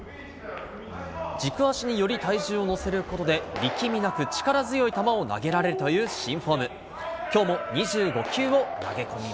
軸足により体重を乗せることで、力みなく力強い球を投げられるという新フォーム。